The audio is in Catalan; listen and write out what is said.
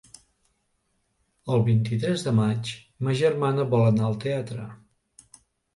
El vint-i-tres de maig ma germana vol anar al teatre.